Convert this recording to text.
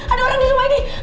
ada orang di rumah nih